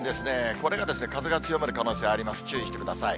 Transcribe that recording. これが風が強まる可能性あります、注意してください。